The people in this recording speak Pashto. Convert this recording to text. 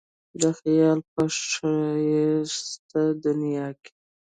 د خیال په ښایسته دنیا کې.